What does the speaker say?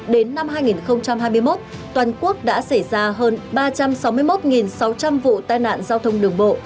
đến năm hai nghìn hai mươi một toàn quốc đã xảy ra hơn ba trăm sáu mươi một sáu trăm linh vụ tai nạn giao thông đường bộ